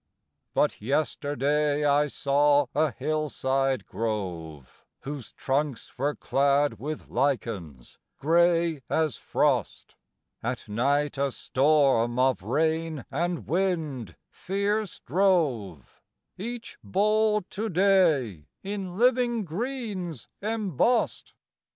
III. But yesterday I saw a hillside grove Whose trunks were clad with lichens grey as frost; At night a storm of rain and wind fierce drove, Each bole to day in living green's embossed!